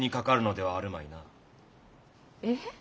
えっ？